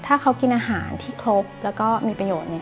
ถ้าเขากินอาหารที่ครบแล้วก็มีประโยชน์